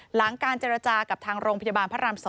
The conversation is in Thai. หลังการเจรจากับทางโรงพยาบาลพระราม๒